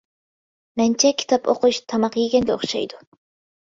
مەنچە كىتاب ئوقۇش تاماق يېگەنگە ئوخشايدۇ.